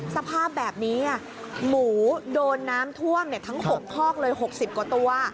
สภาพแบบนี้หมูโดนน้ำท่วมทั้ง๖คอกเลย๖๐กว่าตัว